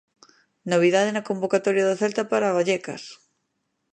Novidade na convocatoria do Celta para Vallecas.